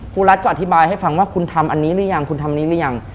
รัฐก็อธิบายให้ฟังว่าคุณทำอันนี้หรือยังคุณทำนี้หรือยัง